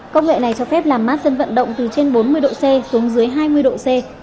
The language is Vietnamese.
công nghệ này cho phép làm mát sân vận động từ trên bốn mươi độ c xuống dưới hai mươi độ c